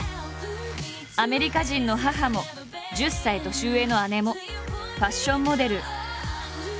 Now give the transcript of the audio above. アメリカ人の母も１０歳年上の姉もファッションモデル。